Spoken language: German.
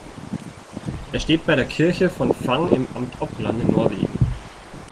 Er steht bei der Kirche von Vang im Amt Oppland in Norwegen.